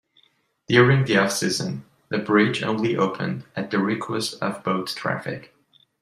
During the off-season, the bridge only opened at the request of boat traffic.